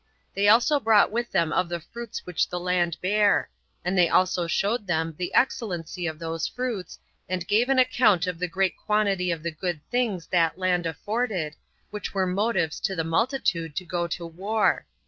They also brought with them of the fruits which the land bare; they also showed them the excellency of those fruits, and gave an account of the great quantity of the good things that land afforded, which were motives to the multitude to go to war.